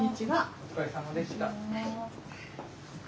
お疲れさまでした。